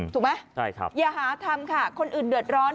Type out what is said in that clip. ถูกไหมอย่าหาทำค่ะคนอื่นเดือดร้อน